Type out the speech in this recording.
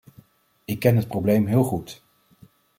Ik ken het probleem heel goed.